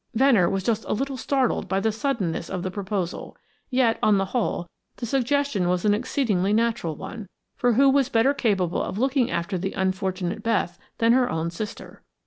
Venner was just a little startled by the suddenness of the proposal, yet, on the whole, the suggestion was an exceedingly natural one, for who was better capable of looking after the unfortunate Beth than her own sister?